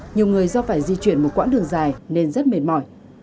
nhiều người do phải di chuyển một quãng đường dài nên rất mệt mỏi